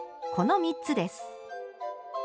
この３つです。